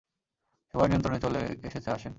সবাই নিয়ন্ত্রণে চলে এসেছে আসেন।